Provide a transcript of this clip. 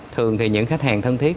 thường thì những khách hàng thân thiết